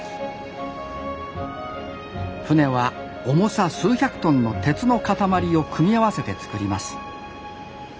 船は重さ数百トンの鉄の塊を組み合わせて造ります。